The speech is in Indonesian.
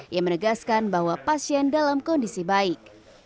ia menegaskan bahwa pasien dalam kondisi baik